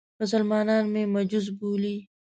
مسلمانان مې مجوس بولي.